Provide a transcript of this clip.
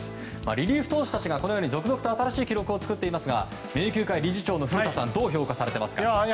リリーフ投手たちがこのように続々と新しい記録を作っていますが名球会理事長の古田さんどう評価されていますか？